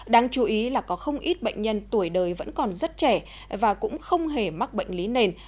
đáng chú ý là có không ít bệnh nhân tuổi đời vẫn còn rất trẻ và cũng không hề mắc bệnh lý nền